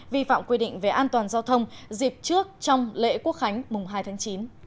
vi phạm quy định về an toàn giao thông dịp trước trong lễ quốc khánh mùng hai tháng chín